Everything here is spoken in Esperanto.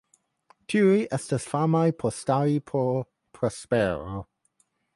Tiuj estas famaj por stari por prospero.